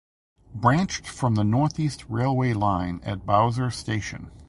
Branched from the North East railway line at Bowser station